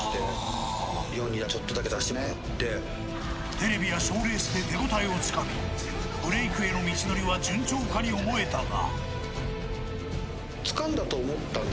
テレビや賞レースで手応えをつかみブレークへの道のりは順調かに思えたが。